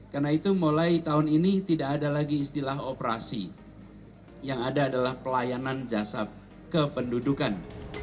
karena itu mulai tahun ini tidak ada lagi istilah operasi yang ada adalah pelayanan jasad kependudukan